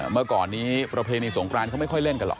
เมื่อก่อนนี้ประเพณีสงกรานเขาไม่ค่อยเล่นกันหรอ